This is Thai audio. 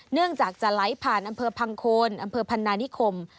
เนื่องจากจะไหลผ่านอำเภอพังโคนอำเภอพันนานิคม